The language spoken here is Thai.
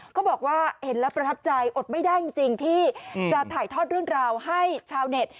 เขาบอกว่าเห็นแล้วประทับใจอดไม่ได้จริงที่จะถ่ายทอดเรื่องราวให้ชาวเน็ต